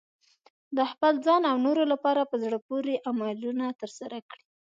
د خپل ځان او نورو لپاره په زړه پورې عملونه ترسره کړئ.